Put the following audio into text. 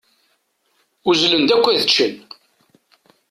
Uzzlen-d akk ad ččen.